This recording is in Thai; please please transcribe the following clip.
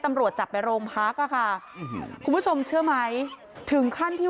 ตำรวจจับไปโรงพักอ่ะค่ะคุณผู้ชมเชื่อไหมถึงขั้นที่